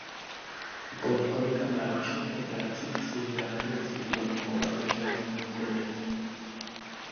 Po několika náročných operacích se ji vrátil cit do nohou a začala znovu chodit.